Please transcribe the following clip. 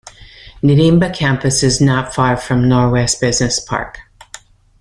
Nirimba campus is not far from Norwest Business Park.